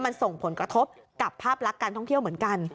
มันส่งผลกระทบกับภาพลักษณ์การท่องเที่ยวเหมือนกัน